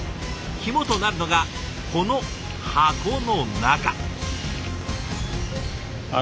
肝となるのがこの箱の中。